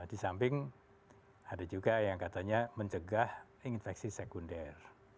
di samping ada juga yang katanya mencegah infeksi sekunder